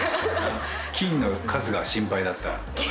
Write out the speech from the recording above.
「菌の数が心配だった？」